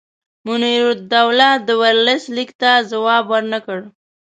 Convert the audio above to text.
منیرالدوله د ورلسټ لیک ته جواب ورنه کړ.